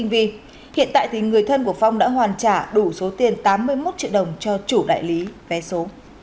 hiện tại thì người thân của phong đã hoàn trả đủ số tiền tám mươi một triệu đồng cho chủ đại lý vé số